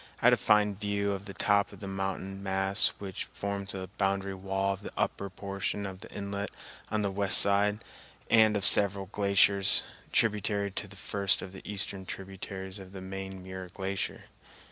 I had a fine view of the top of the mountain mass which forms the boundary wall of the upper portion of the inlet on the west side, and of several glaciers, tributary to the first of the eastern tributaries of the main Muir Glacier.